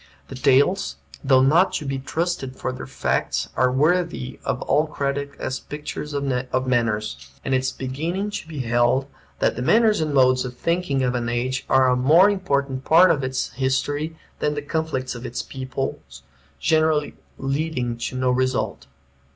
The tales, though not to be trusted for their facts, are worthy of all credit as pictures of manners; and it is beginning to be held that the manners and modes of thinking of an age are a more important part of its history than the conflicts of its peoples, generally leading to no result.